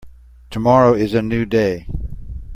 Tomorrow is a new day.